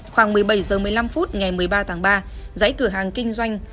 khoảng một mươi bảy h một mươi năm ngày một mươi ba tháng ba giấy cửa hàng kinh doanh